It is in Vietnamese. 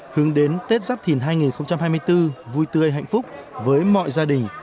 hướng đến tết giáp thìn hai nghìn hai mươi bốn vui tươi hạnh phúc với mọi gia đình